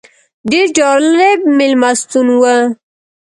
ډېر جالب مېلمستون و.